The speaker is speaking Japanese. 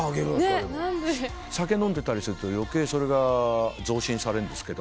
酒飲んでたりすると余計それが増進されんですけども。